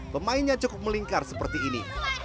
pemainnya cukup melingkar seperti ini